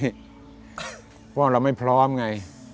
เพราะว่าเราไม่พร้อมไง